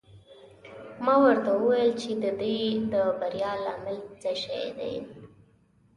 ما ورته وویل چې د دې د بریا لامل څه شی دی.